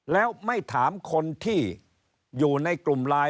แล้วไม่ถามคนที่อยู่ในกลุ่มไลน์